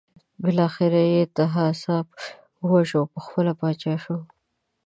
بالاخره یې طاهاسپ وواژه او پخپله پاچا شو.